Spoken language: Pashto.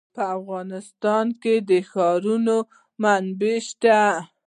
په افغانستان کې د ښارونه منابع شته.